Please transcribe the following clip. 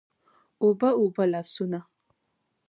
اوبه، اوبه لاسونه